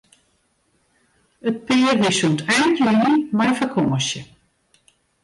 It pear wie sûnt ein juny mei fakânsje.